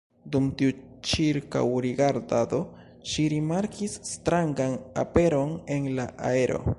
Dum tiu ĉirkaŭrigardado ŝi rimarkis strangan aperon en la aero.